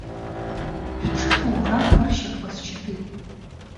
Шәҽы ҭоуӷанқәа ршьапқәа счаԥеит.